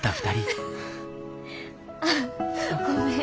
ああごめん。